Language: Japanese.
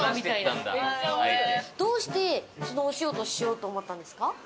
どうして、そのお仕事しようと思ったんですか？